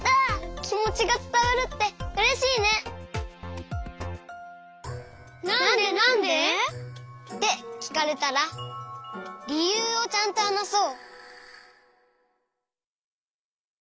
きもちがつたわるってうれしいね！ってきかれたらりゆうをちゃんとはなそう。